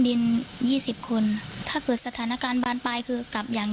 ดินยี่สิบคนถ้าเกิดสถานการณ์บานปลายคือกลับอย่าง